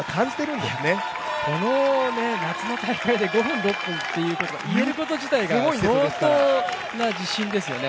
この夏の大会で５６分という話を、言えること自体が相当な自信ですね